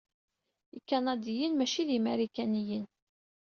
Ikanadiyen maci d imarikaniyen.